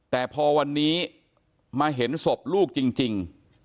แต่พอวันนี้มาเห็นศพลูกจริง